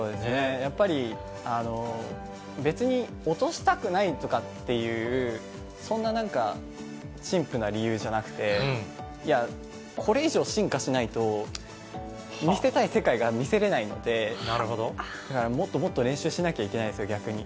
やっぱり、別に落としたくないとかっていう、そんななんか、陳腐な理由じゃなくて、いや、これ以上進化しないと見せたい世界が見せれないので、だからもっともっと練習しなきゃいけないんですよ、逆に。